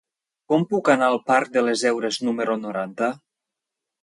Com puc anar al parc de les Heures número noranta?